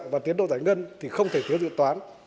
và tiến độ giải ngân thì không thể thiếu dự toán